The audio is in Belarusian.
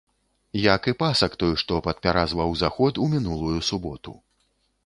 Як і пасак той, што падпяразваў заход у мінулую суботу.